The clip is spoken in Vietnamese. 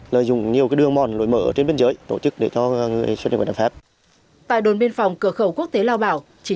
lợi dụng nhiều đường mòn lối mở trên biên giới tổ chức để cho người xuất nhập cảnh trái phép